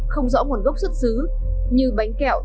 không rõ nguồn gốc xuất xứ như bánh kẹo